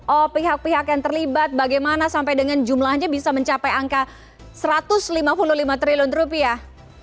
oh pihak pihak yang terlibat bagaimana sampai dengan jumlahnya bisa mencapai angka satu ratus lima puluh lima triliun rupiah